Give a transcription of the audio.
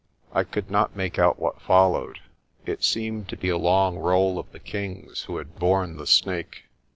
I could not make out what followed. It seemed to be a long roll of the kings who had borne the Snake.